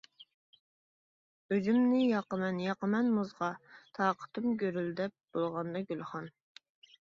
ئۆزۈمنى ياقىمەن، ياقىمەن مۇزغا، تاقىتىم گۈرۈلدەپ بولغاندا گۈلخان.